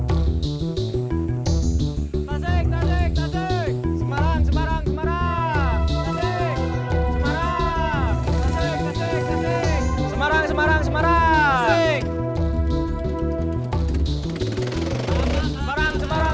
ntar aku lanjut sedekatan